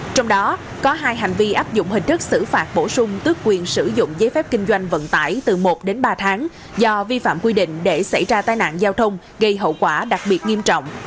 trong đó có hai hành vi áp dụng hình thức xử phạt bổ sung tước quyền sử dụng giấy phép kinh doanh vận tải từ một đến ba tháng do vi phạm quy định để xảy ra tai nạn giao thông gây hậu quả đặc biệt nghiêm trọng